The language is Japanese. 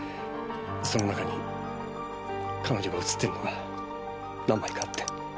その中に彼女が写っているのが何枚かあって。